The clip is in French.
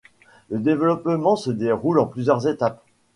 Le développement se déroule en plusieurs étapes.